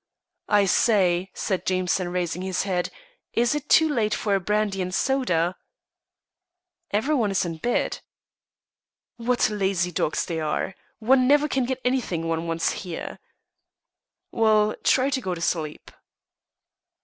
"I say," said Jameson, raising his head, "is it too late for a brandy and soda?" "Everyone is in bed." "What lazy dogs they are. One never can get anything one wants here." "Well, try to go to sleep."